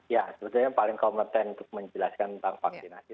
ya sebetulnya yang paling kompeten untuk menjelaskan tentang vaksinasi